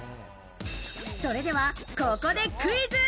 それではここでクイズ。